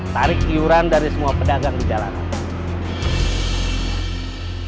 tarik iuran dari semua pedagang di jalanan